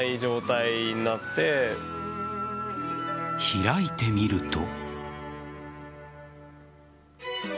開いてみると。